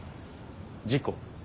事故。